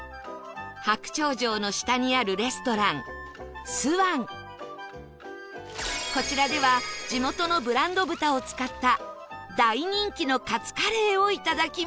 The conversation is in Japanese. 白鳥城の下にあるこちらでは地元のブランド豚を使った大人気のカツカレーをいただきます